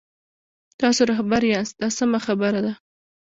تاسو رهبر یاست دا سمه خبره ده.